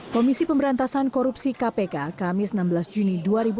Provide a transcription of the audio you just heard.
komisi pemberantasan korupsi kpk kamis enam belas juni dua ribu dua puluh